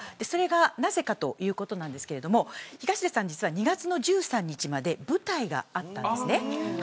それが、なぜかということなんですが東出さん、実は２月の１３日まで舞台があったんですね。